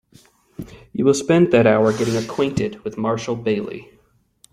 You will spend that hour getting acquainted with Marshall Bailey.